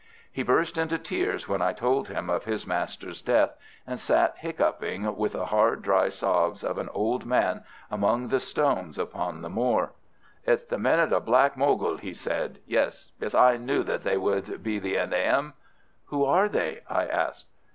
He burst into tears when I told him of his master's death, and sat hiccoughing with the hard, dry sobs of an old man among the stones upon the moor. "It's the men of the Black Mogul," he said. "Yes, yes, I knew that they would be the end of 'im." "Who are they?" I asked.